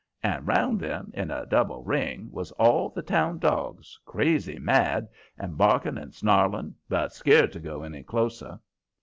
And round them, in a double ring, was all the town dogs, crazy mad, and barking and snarling, but scared to go any closer.